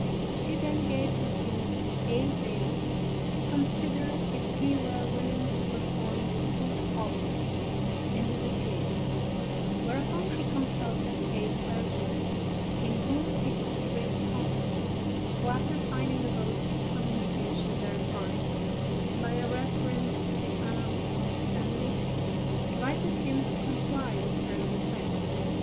She then gave the duke eight days to consider if he were willing to perform this good office, and disappeared; whereupon he consulted a clergyman, in whom he had great confidence, who, after finding the ghost's communication verified, by a reference to the annals of the family, advised him to comply with her request.